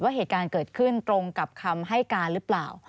เหตุการณ์เกิดขึ้นตรงกับคำให้การหรือเปล่า